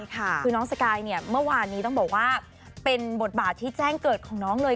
คือน้องสกายเนี่ยเมื่อวานนี้ต้องบอกว่าเป็นบทบาทที่แจ้งเกิดของน้องเลย